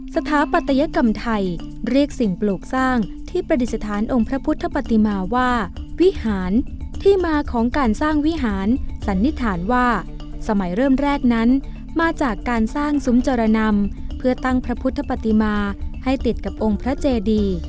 สถาปัตยกรรมไทยเรียกสิ่งปลูกสร้างที่ประดิษฐานองค์พระพุทธปฏิมาว่าวิหารที่มาของการสร้างวิหารสันนิษฐานว่าสมัยเริ่มแรกนั้นมาจากการสร้างซุ้มจรนำเพื่อตั้งพระพุทธปฏิมาให้ติดกับองค์พระเจดี